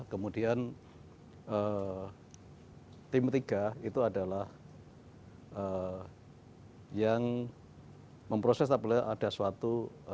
kemudian tim tiga itu adalah yang memproses apabila ada suatu